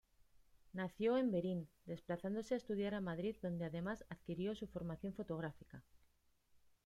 Nació en Verín, desplazándose a estudiar a Madrid donde además adquirió su formación fotográfica.